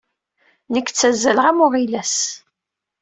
Nekk ttazzaleɣ am uɣilas.